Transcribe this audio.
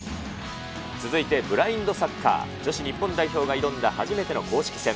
続いてブラインドサッカー、女子日本代表が挑んだ初めての公式戦。